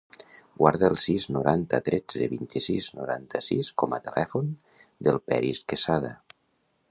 Guarda el sis, noranta, tretze, vint-i-sis, noranta-sis com a telèfon del Peris Quezada.